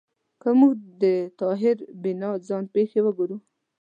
که موږ د طاهر بینا ځان پېښې وګورو